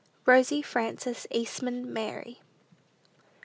ROSY FRANCES EASTMAN MARY.